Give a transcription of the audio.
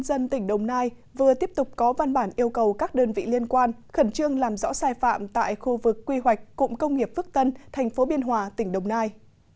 chủ tịch ubnd tỉnh đồng nai vừa tiếp tục có văn bản yêu cầu các đơn vị liên quan khẩn trương làm rõ sai phạm tại khu vực quy hoạch cụng công nghiệp phước tân tp biên hòa tỉnh đồng nai